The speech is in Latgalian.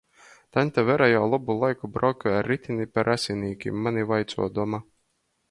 Taņte Vera jau lobu laiku braukoj ar ritini pa Rasinīkim, mani vaicuodoma.